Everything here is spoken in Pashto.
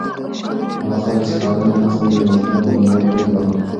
هغه خلک چې سهارنۍ نه خوري د روغتیا مالومات لږ لري.